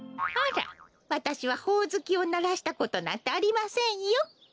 あらわたしはほおずきをならしたことなんてありませんよ。